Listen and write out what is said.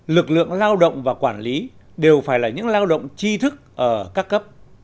lực lượng lao động và quản lý đều phải là những lao động chi thức ở các cấp